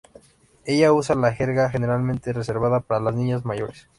Ella usa la jerga generalmente reservada para las niñas mayores.